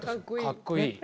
かっこいい。